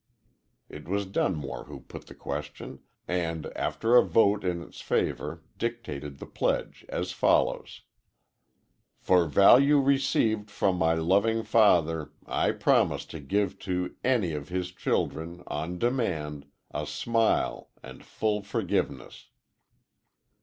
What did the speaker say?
It was Dunmore who put the question, and, after a vote in its favor, dictated the pledge, as follows: _"For value received from my Loving Father, I promise to give to any of His children, on demand, a smile and full forgiveness."